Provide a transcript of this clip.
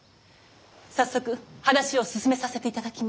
早速話を進めさせていただきます。